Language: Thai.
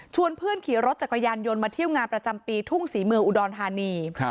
เพื่อนขี่รถจักรยานยนต์มาเที่ยวงานประจำปีทุ่งศรีเมืองอุดรธานี